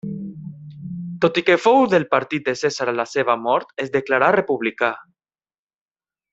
Tot i que fou del partit de Cèsar a la seva mort es declarà republicà.